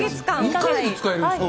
２か月使えるんですか？